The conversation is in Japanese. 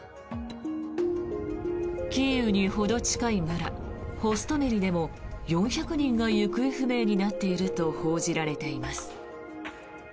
キーウにほど近い村ホストメリでも４００人が行方不明になっていると報じられています。